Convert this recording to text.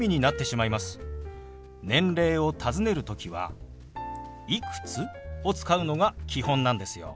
年齢をたずねる時は「いくつ？」を使うのが基本なんですよ。